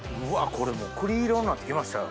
これもう栗色なってきましたよ。